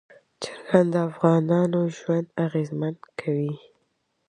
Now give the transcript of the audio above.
چرګان د افغانانو ژوند اغېزمن کوي.